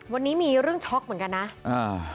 วันนี้มีเรื่องช็อกเหมือนกันนะอ่า